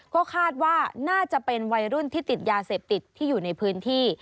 ก็คาดว่าน่าจะเป็นวัยรุ่นที่ติดยาเสพติดที่อยู่ในพื้นที่